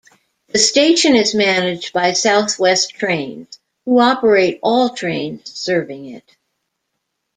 The station is managed by South West Trains, who operate all trains serving it.